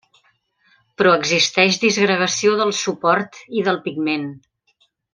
Però existeix disgregació del suport i del pigment.